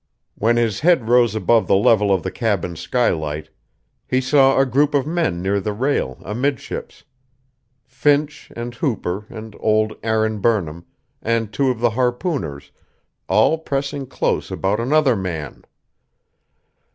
When his head rose above the level of the cabin skylight, he saw a group of men near the rail, amidships. Finch, and Hooper, and old Aaron Burnham, and two of the harpooners, all pressing close about another man....